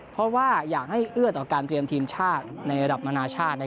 เพราะว่าอยากให้เอื้อต่อการเตรียมทีมชาติในระดับนานาชาติ